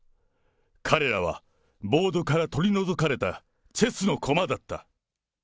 彼らはボードから取り除かれたチェスの駒だった。